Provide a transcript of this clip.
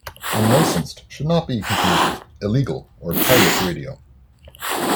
"Unlicensed" should not be confused with "illegal" or pirate radio.